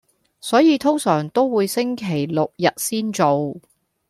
所以通常都會星期六日先做